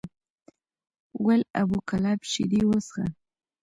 ول ابو کلاب شیدې وڅښه!